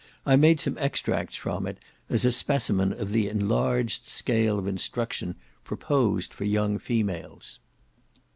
I made some extracts from it, as a specimen of the enlarged scale of instruction proposed for young females.